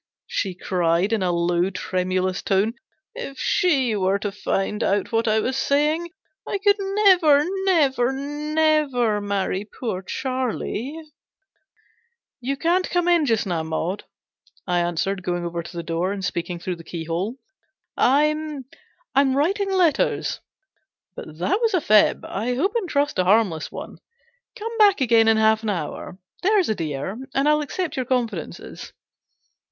she cried, in a low, tremulous tone. " If she were to find out GENERAL PASSAVANT'S WILL. 325 what I was saying, I could never, never, never marry poor Charlie !"" You can't come in just now, Maud," I answered, going over to the door ; and, speak ing through the keyhole, "I'm I'm writing letters." But that was a fib I hope and trust a harmless one. " Come back again in half an hour, there's a dear, and I'll accept your confidences."